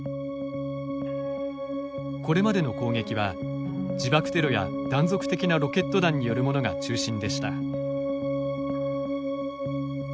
これまでの攻撃は自爆テロや断続的なロケット弾によるものが中心でした。